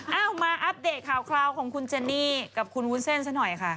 เอามาอัปเดตข่าวคราวของคุณเจนี่กับคุณวุ้นเส้นซะหน่อยค่ะ